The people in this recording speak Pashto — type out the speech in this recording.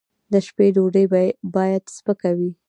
د شپې ډوډۍ باید سپکه وي